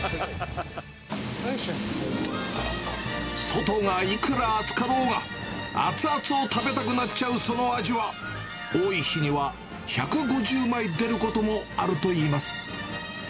外がいくら暑かろうが、熱々を食べたくなっちゃうその味は、多い日には１５０枚出ることもあるといいます。